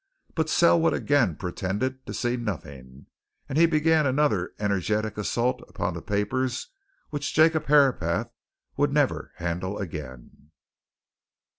But Selwood again pretended to see nothing, and he began another energetic assault upon the papers which Jacob Herapath would never handle again.